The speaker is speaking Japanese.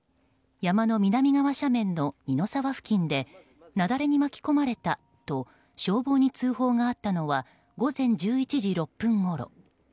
山の南側斜線の二の沢付近で雪崩に巻き込まれたと消防に通報があったのは午前１１時６分ごろ。